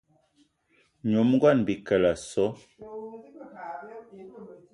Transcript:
Nyom ngón Bikele o so!